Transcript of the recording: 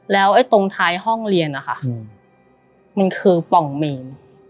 แล้วตรงท้ายห้องเรียนนะคะมันคือปล่องเมน